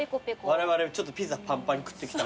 われわれちょっとピザパンパンに食ってきた。